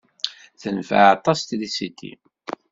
Tenfeɛ aṭas trisiti.